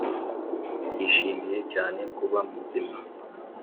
yishimiye cyane kuba muzima;